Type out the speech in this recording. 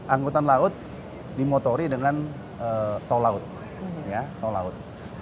angkutan laut dimotori dengan tol laut